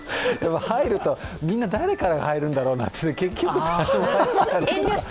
入るとみんな誰かが入るんだろうなって、結局、誰も入らなかった。